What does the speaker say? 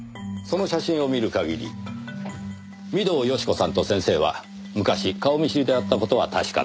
その写真を見る限り御堂好子さんと先生は昔顔見知りであった事は確かです。